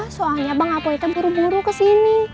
soalnya bang apoi teh buru buru kesini